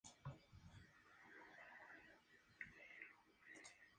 Sin embargo, Humphries insiste en que no hay evidencia de esto.